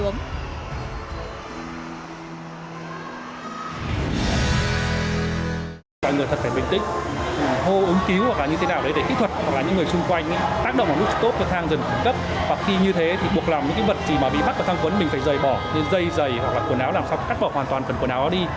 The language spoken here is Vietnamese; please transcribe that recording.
nên dây dày hoặc là quần áo làm xong thì cắt bỏ hoàn toàn phần quần áo đó đi